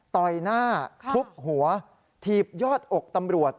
ต่อยหน้าทุบหัวถีบยอดอกตำรวจ